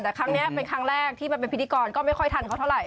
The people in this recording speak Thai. แต่ครั้งนี้เป็นครั้งแรกที่มันเป็นพิธีกรก็ไม่ค่อยทันเขาเท่าไห